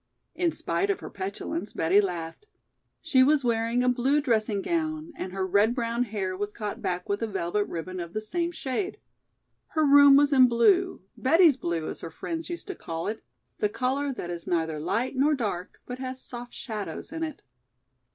In spite of her petulance Betty laughed. She was wearing a blue dressing gown and her red brown hair was caught back with a velvet ribbon of the same shade. Her room was in blue, "Betty's Blue" as her friends used to call it, the color that is neither light nor dark, but has soft shadows in it.